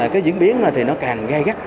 cái diễn biến thì nó càng gai gắt